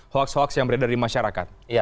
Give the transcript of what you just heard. hoaks hoaks yang berada di masyarakat